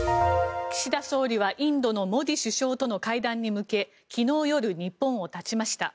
岸田総理はインドのモディ首相との会談に向け昨日夜、日本を発ちました。